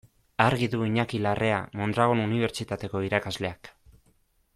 Argi du Iñaki Larrea Mondragon Unibertsitateko irakasleak.